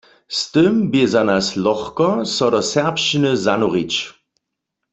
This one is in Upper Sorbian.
Z tym bě za nas lochko, so do serbšćiny zanurić.